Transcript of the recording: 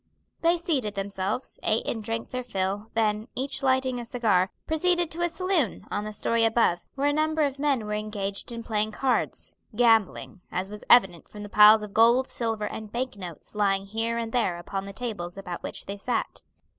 They seated themselves, ate and drank their fill, then, each lighting a cigar, proceeded to a saloon, on the story above, where a number of men were engaged in playing cards gambling, as was evident from the piles of gold, silver, and bank notes lying here and there upon the tables about which they sat.